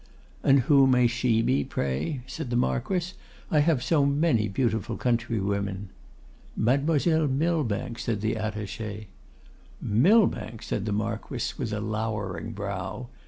'And who may she be, pray?' said the Marquess. 'I have so many beautiful countrywomen.' 'Mademoiselle Millbank,' said the Attaché. 'Millbank!' said the Marquess, with a lowering brow.